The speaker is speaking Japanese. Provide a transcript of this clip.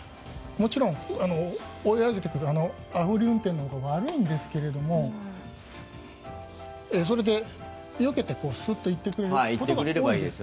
もちろん追い上げてくるあおり運転のほうが悪いんですけどもそれで、よけてスッと行ってくれることが多いです。